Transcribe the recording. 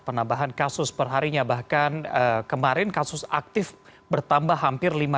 penambahan kasus perharinya bahkan kemarin kasus aktif bertambah hampir lima ratus